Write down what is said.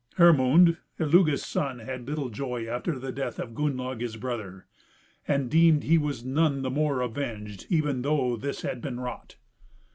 Hermund, Illugi's son, had little joy after the death of Gunnlaug his brother, and deemed he was none the more avenged even though this had been wrought.